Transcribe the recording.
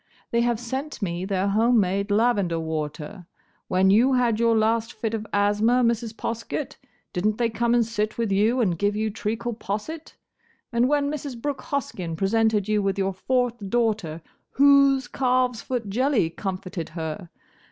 —they have sent me their home made lavender water. When you had your last fit of asthma, Mrs. Poskett, did n't they come and sit with you and give you treacle posset? And when Mrs. Brooke Hoskyn presented you with your fourth daughter, whose calves foot jelly comforted her?